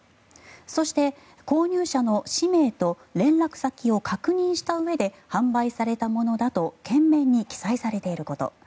そして、購入者の氏名と連絡先を確認したうえで販売されたものだと券面に記載されていること。